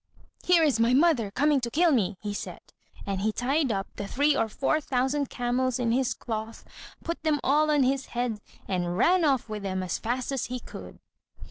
"Here is my mother coming to kill me," he said: and he tied up the three or four thousand camels in his cloth, put them all on his head, and ran off with them as fast as he could.